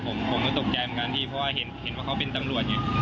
ผมก็ตกใจเหมือนกันพี่เพราะว่าเห็นว่าเขาเป็นตำรวจอยู่